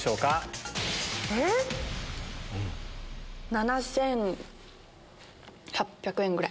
７８００円ぐらい。